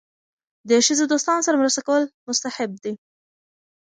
د ښځې دوستانو سره مرسته کول مستحب دي.